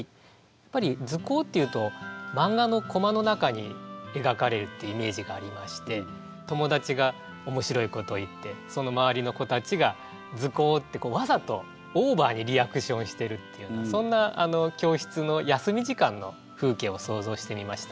やっぱり「ズコー」っていうと漫画のコマの中に描かれるっていうイメージがありまして友達が面白いことを言ってその周りの子たちが「ズコー」ってわざとオーバーにリアクションしてるっていうようなそんな教室の休み時間の風景を想像してみました。